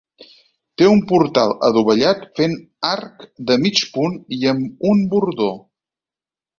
Té un portal adovellat fent arc de mig punt i amb un bordó.